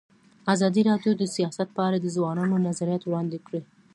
ازادي راډیو د سیاست په اړه د ځوانانو نظریات وړاندې کړي.